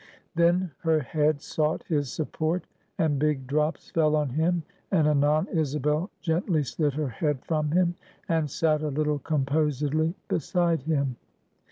Then her head sought his support; and big drops fell on him; and anon, Isabel gently slid her head from him, and sat a little composedly beside him.